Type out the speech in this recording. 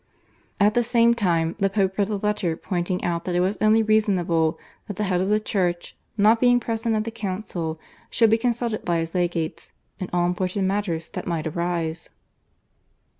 At the same time the Pope wrote a letter pointing out that it was only reasonable that the Head of the Church, not being present at the council, should be consulted by his legates in all important matters that might arise.